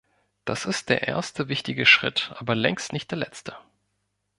Das ist der erste wichtige Schritt, aber längst nicht der letzte.